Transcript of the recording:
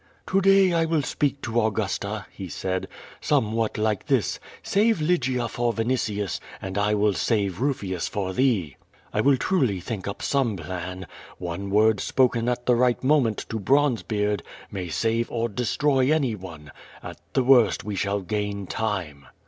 '*To day I will speak to Augusta," he said, "somewhat like this: \Save Lygia for \'initius, and I will save Rufius for ^hee.' I will truly think up some plan. One word spoke?i ithc right moment to Bronzebeard may save or destroy any onb. At the worst we shall gain time."